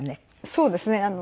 そうですね。